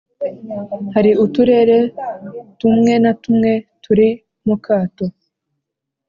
Hari uturere tumwe na tumwe tukiri mu kato